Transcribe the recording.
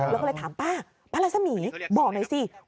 แล้วก็เลยถามป้าป้ารัสมีบอกหน่อยสิ